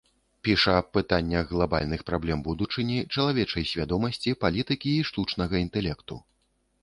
Піша аб пытаннях глабальных праблем будучыні, чалавечай свядомасці, палітыкі і штучнага інтэлекту.